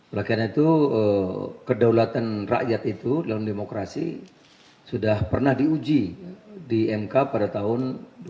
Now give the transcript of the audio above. oleh karena itu kedaulatan rakyat itu dalam demokrasi sudah pernah diuji di mk pada tahun dua ribu empat